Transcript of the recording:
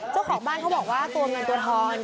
เจ้าของบ้านเขาบอกว่าตัวเงินตัวทอง